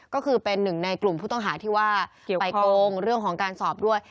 ก็คือเป็นหนึ่งในกลุ่มผู้ต้องหาที่ว่าไปโกงเรื่องของการสอบด้วย